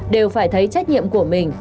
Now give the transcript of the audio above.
đều phải thấy trách nhiệm của mình